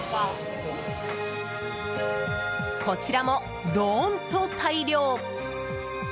こちらも、どーんと大量。